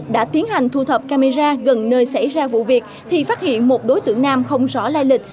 đã tiến hành thu thập camera gần nơi xảy ra vụ việc thì phát hiện một đối tượng nam không rõ lai lịch